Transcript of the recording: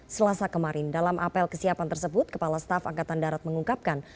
selasa kemarin dalam apel kesiapan tersebut kepala staf angkatan darat mengungkapkan